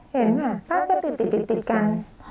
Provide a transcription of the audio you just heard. เห็นค่ะพาไปติดกัน